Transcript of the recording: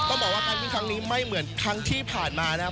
ต้องบอกว่าการวิ่งครั้งนี้ไม่เหมือนครั้งที่ผ่านมานะครับ